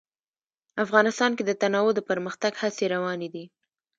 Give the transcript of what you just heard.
افغانستان کې د تنوع د پرمختګ هڅې روانې دي.